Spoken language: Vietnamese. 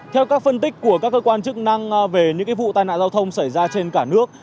theo các phân tích của các cơ quan chức năng về những vụ tai nạn giao thông xảy ra trên cả nước